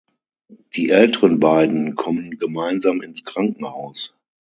Die älteren beiden kommen gemeinsam ins Krankenhaus.